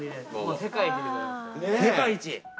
世界一。